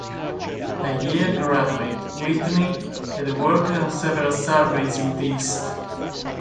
A Yale graduate, Whitney had worked on several surveys in the east.